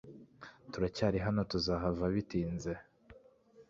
Turacyari hano tuzahava bitinze